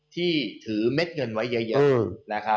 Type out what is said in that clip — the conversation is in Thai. ที่ถือเม็ดเงินไว้เยอะ